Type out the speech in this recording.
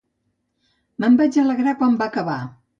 Me'n vaig alegrar quan va acabar.